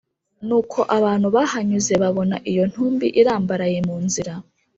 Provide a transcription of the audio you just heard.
Nuko abantu bahanyuze babona iyo ntumbi irambaraye mu nzira